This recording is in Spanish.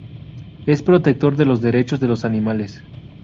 Es protector de los derechos de los animales.